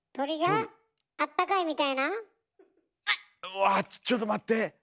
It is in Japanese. うわちょっと待って。